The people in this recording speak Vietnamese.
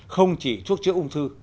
không chỉ thuốc chữa ung thư